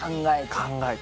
考えて。